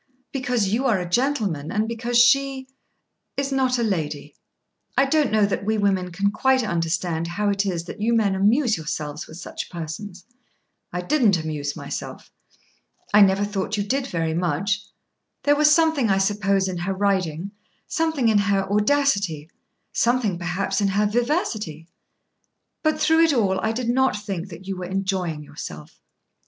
"Because you are a gentleman and because she is not a lady. I don't know that we women can quite understand how it is that you men amuse yourselves with such persons." "I didn't amuse myself." "I never thought you did very much. There was something I suppose in her riding, something in her audacity, something perhaps in her vivacity; but through it all I did not think that you were enjoying yourself.